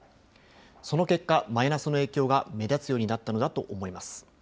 その結果、マイナスの影響が目立つようになったのだと思います。